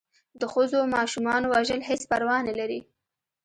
د ښځو و ماشومانو وژل هېڅ پروا نه کوي.